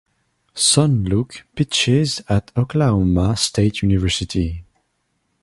Son Luke pitches at Oklahoma State University.